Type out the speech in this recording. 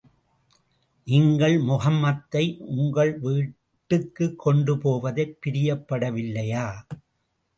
நீங்கள் முஹம்மதை உங்கள் வீட்டுக்குக் கொண்டு போவதைப் பிரியப்படவில்லையா?